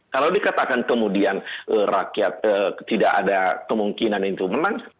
kalau dikatakan kemudian rakyat tidak ada kemungkinan itu menang